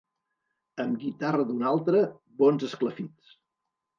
Amb guitarra d'un altre, bons esclafits.